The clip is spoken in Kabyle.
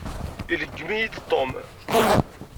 Ileggem-iyi-d Tom.